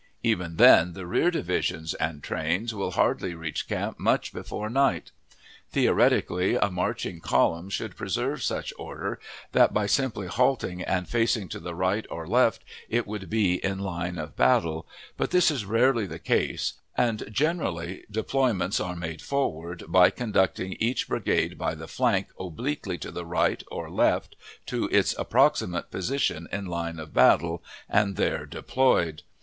Even then the rear divisions and trains will hardly reach camp much before night. Theoretically, a marching column should preserve such order that by simply halting and facing to the right or left, it would be in line of battle; but this is rarely the case, and generally deployments are made "forward," by conducting each brigade by the flank obliquely to the right or left to its approximate position in line of battle, and there deployed.